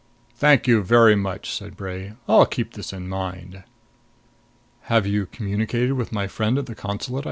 "Thank you very much," said Bray. "I'll keep this in mind." "Have you communicated with my friend at the consulate?"